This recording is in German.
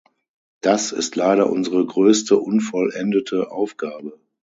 Das ist leider unsere größte unvollendete Aufgabe.